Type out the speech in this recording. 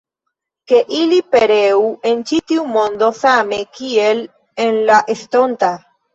Ke ili pereu en ĉi tiu mondo, same kiel en la estonta!